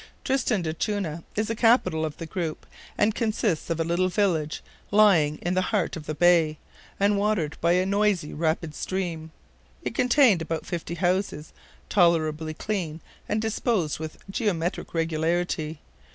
Tristan d'Acunha is the capital of the group, and consists of a little village, lying in the heart of the bay, and watered by a noisy, rapid stream. It contained about fifty houses, tolerably clean, and disposed with geometrical regularity.